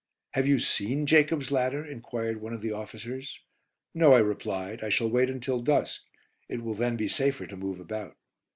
"Have you seen 'Jacob's Ladder'?" enquired one of the officers. "No," I replied, "I shall wait until dusk. It will then be safer to move about."